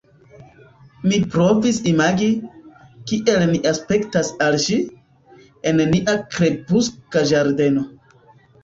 Mi provis imagi, kiel ni aspektas al ŝi, en nia krepuska ĝardeno.